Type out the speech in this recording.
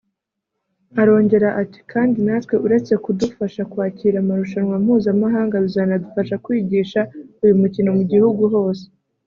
Arongera ati “kandi natwe uretse kudufasha kwakira amarushanwa mpuzamahanga bizanadufasha kwigisha uyu mukino mu gihugu hose